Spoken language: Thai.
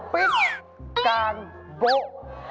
ปิ๊บกาล์มบะ